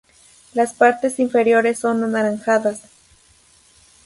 Las partes inferiores son anaranjadas.